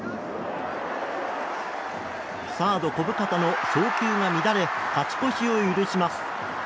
サード小深田の送球が乱れ勝ち越しを許します。